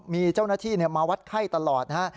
มีเจ้าหน้าที่มาวัดไข้ตลอดนะฮะ